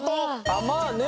あっまあね。